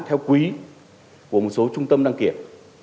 theo quý của một số trung tâm đăng kiểm